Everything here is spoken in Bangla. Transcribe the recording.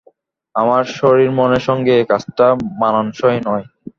আমার শরীরমনের সঙ্গে এই কাজটা মানানসই নয়।